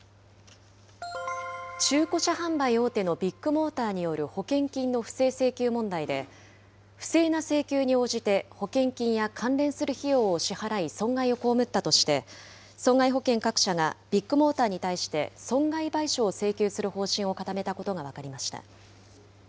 中古車販売大手のビッグモーターによる保険金の不正請求問題で、不正な請求に応じて保険金や関連する費用を支払い損害を被ったとして、損害保険各社がビッグモーターに対して、損害賠償を請求する方針を固めたことが分かりました。